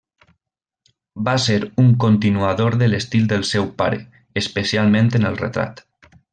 Va ser un continuador de l'estil del seu pare, especialment en el retrat.